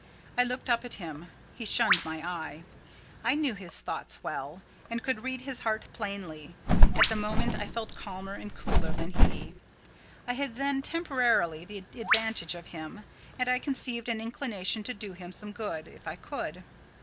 I looked up at him: he shunned my eye. I knew his thoughts well, and could read his heart plainly; at the moment I felt calmer and cooler than he: I had then temporarily the advantage of him, and I conceived an inclination to do him some good, if I could.